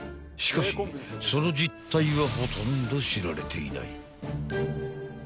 ［しかしその実態はほとんど知られていない］